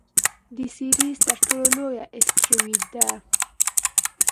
د سیریز تر ټولو لویه اسټرويډ ده.